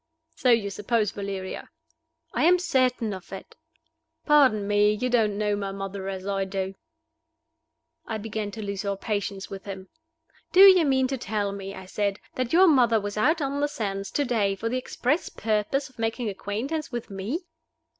"So you suppose, Valeria." "I am certain of it." "Pardon me you don't know my mother as I do." I began to lose all patience with him. "Do you mean to tell me," I said, "that your mother was out on the sands to day for the express purpose of making acquaintance with Me?"